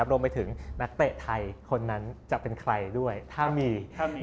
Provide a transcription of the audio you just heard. รวมไปถึงนักเตะไทยคนนั้นจะเป็นใครด้วยถ้ามี